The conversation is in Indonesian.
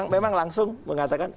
memang langsung mengatakan